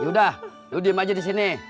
ya udah lo diem aja disini